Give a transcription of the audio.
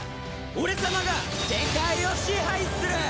俺様が世界を支配する！